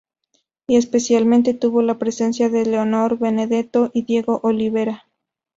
Y especialmente tuvo la presencia de Leonor Benedetto y Diego Olivera.